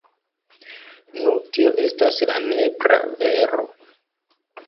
Nu tio estas la nepra vero.